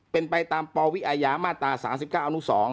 เป็นไปตามปวิอาญามาตรา๓๙อนุ๒